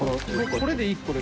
これ１個。